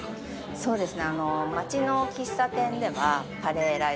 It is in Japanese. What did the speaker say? そうですね。